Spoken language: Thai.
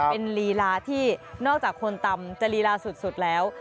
เป็นลีลาที่นอกจากคนตำจะลีลาสุดแล้ว